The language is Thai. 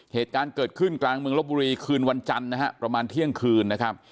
เหตุการณ์เกิดขึ้นกลางเมืองลบบุรีคืนวันจันทร์นะฮะประมาณเที่ยงคืนนะครับ